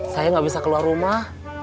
saya nggak bisa keluar rumah